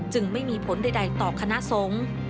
จึงไม่มีผลใดต่อคณะส่ง